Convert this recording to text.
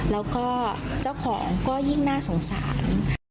แล้วก็เจ้าของก็ยิ่งน่าสงสาร